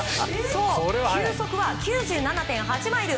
そう、球速は９７．８マイル。